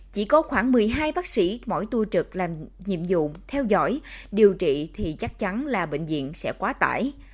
chỉ có khoảng một mươi hai bác sĩ mỗi tu trực làm nhiệm vụ theo dõi điều trị thì chắc chắn là bệnh viện sẽ quá tải